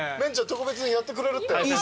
特別にやってくれるって。